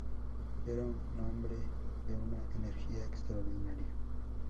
Era un hombre de una energía extraordinaria.